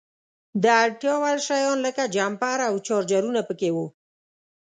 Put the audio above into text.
د اړتیا وړ شیان لکه جمپر او چارجرونه په کې وو.